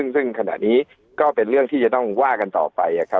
ซึ่งขณะนี้ก็เป็นเรื่องที่จะต้องว่ากันต่อไป